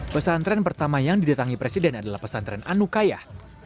pesantren pertama yang didatangi presiden adalah pesantren anukayah